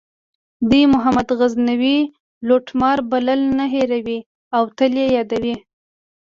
دوی محمود غزنوي لوټمار بلل نه هیروي او تل یې یادوي.